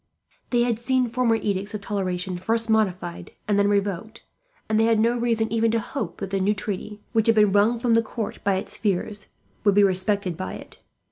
They had seen former edicts of toleration first modified and then revoked, and they had no reason even to hope that the new treaty, which had been wrung from the court by its fears, would be respected by it.